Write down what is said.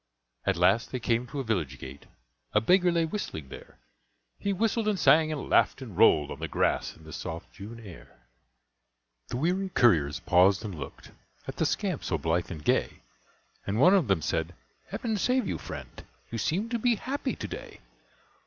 At last they came to a village gate, A beggar lay whistling there; He whistled and sang and laughed and rolled On the grass in the soft June air. The weary couriers paused and looked At the scamp so blithe and gay; And one of them said, "Heaven save you, friend! You seem to be happy to day."